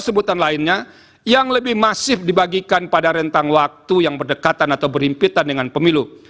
pertama penyelenggara pemilu tidak akan berpengalaman untuk menerima keuntungan dalam pemilu